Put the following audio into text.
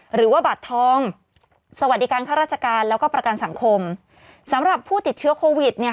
หรือว่าบัตรทองสวัสดีการข้าราชการแล้วก็ประกันสังคมสำหรับผู้ติดเชื้อโควิดเนี่ย